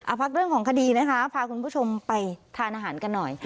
พักเรื่องของคดีนะคะพาคุณผู้ชมไปทานอาหารกันหน่อย